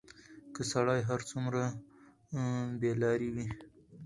که سړى هر څومره بېلارې وي،